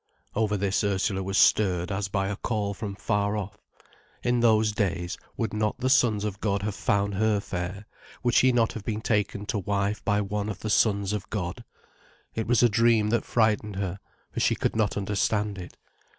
Over this Ursula was stirred as by a call from far off. In those days, would not the Sons of God have found her fair, would she not have been taken to wife by one of the Sons of God? It was a dream that frightened her, for she could not understand it.